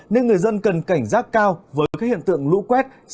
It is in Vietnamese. nên người dân cần cảnh giác cao với các hiện tượng lũ quét